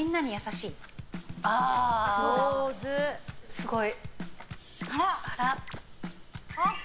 すごい。